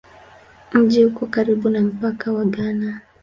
Mji uko karibu na mpaka wa Ghana.